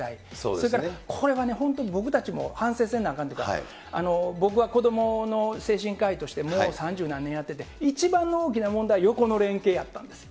それからこれはね、本当に僕たちも反省せなあかんというか、僕は子どもの精神科医としてもう三十何年やってて、一番重要なのは横の連携やったんです。